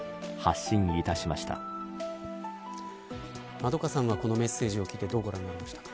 円香さんはこのメッセージを聞いてどうご覧になりましたか。